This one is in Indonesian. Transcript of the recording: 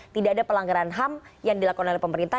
tidak ada pelanggaran ham yang dilakukan oleh pemerintah